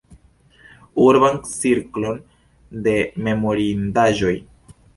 Urban cirklon de memorindaĵoj.